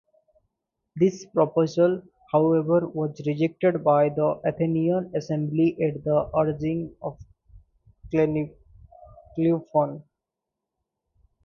This proposal, however, was rejected by the Athenian assembly at the urging of Cleophon.